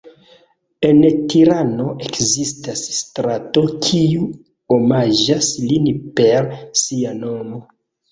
En Tirano ekzistas strato kiu omaĝas lin per sia nomo.